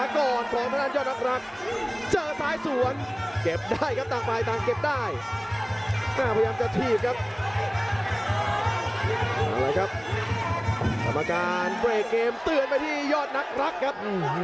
กรรมการเบรกเกมเตือนไปที่ยอดนักรักครับ